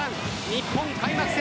日本開幕戦